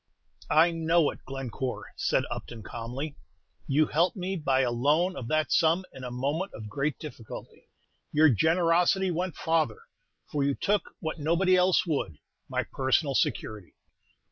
"I know it, Glencore," said Upton, calmly. "You helped me by a loan of that sum in a moment of great difficulty. Your generosity went farther, for you took, what nobody else would, my personal security."